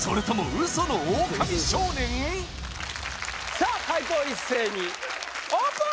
さあ解答一斉にオープン！